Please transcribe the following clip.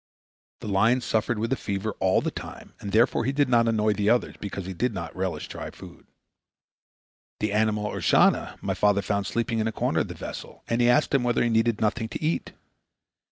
The lion suffered with a fever all the time, and therefore he did not annoy the others, because he did not relish dry food. The animal urshana my father found sleeping in a corner of the vessel, and he asked him whether he needed nothing to eat.